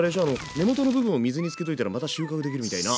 根元の部分を水につけといたらまた収穫できるみたいな。